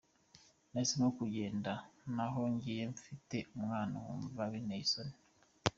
Nahisemo kugenda naho ngiye mfite umwana nkumva binteye isoni.